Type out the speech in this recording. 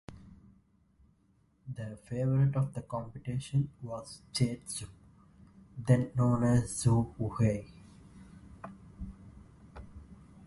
The favorite of the competition was Jade Xu (then known as Xu Huihui).